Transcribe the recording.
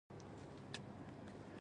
خپل ژوند یې له لاسه ورکړ.